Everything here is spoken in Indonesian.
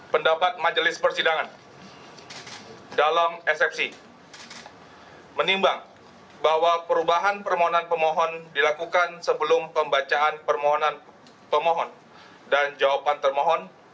pendapat majelis persidangan dalam eksepsi menimbang bahwa perubahan permohonan pemohon dilakukan sebelum pembacaan permohonan pemohon dan jawaban termohon